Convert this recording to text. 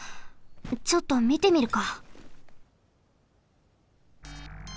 ちょっとみてみるか。